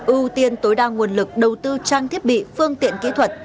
ưu tiên tối đa nguồn lực đầu tư trang thiết bị phương tiện kỹ thuật